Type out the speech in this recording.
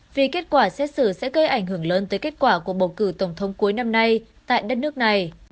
vì kết quả xét xử sẽ gây ảnh hưởng lớn tới kết quả của bầu cử tổng thống cuối năm nay tại đất nước này